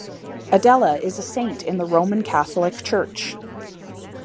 Adela is a saint in the Roman Catholic church.